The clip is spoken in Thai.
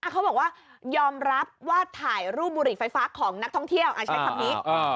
เขาบอกว่ายอมรับว่าถ่ายรูปบุหรี่ไฟฟ้าของนักท่องเที่ยวใช้คำนี้